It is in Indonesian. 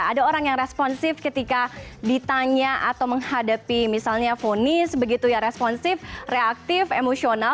ada orang yang responsif ketika ditanya atau menghadapi misalnya fonis begitu ya responsif reaktif emosional